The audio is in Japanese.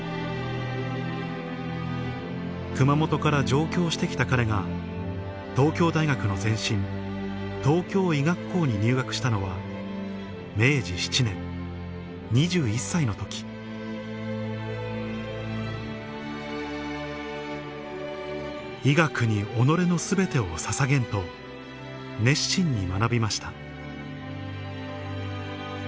熊本から上京して来た彼が東京大学の前身東京医学校に入学したのは明治７年２１歳の時医学に己の全てをささげんと熱心に学びました